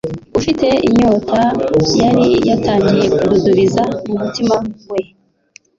ufite inyota, yari yatangiye kududubiza mu mutima we.